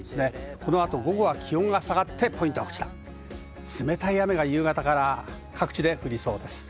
このあと午後は気温が下がって、ポイントは冷たい雨が夕方から各地で降りそうです。